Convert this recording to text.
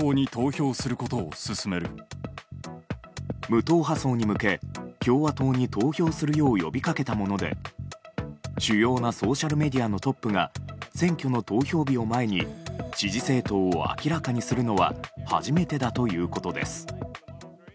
無党派層に向け、共和党に投票するよう呼びかけたもので主要なソーシャルメディアのトップが選挙の投票日を前に支持政党を明らかにするのは初めてだということです。